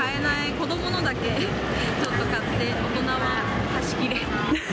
子どものだけちょっと買って、大人は端切れ。